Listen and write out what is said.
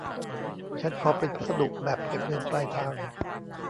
ฉันขอเป็นพัสดุแบบเก็บเงินปลายทาง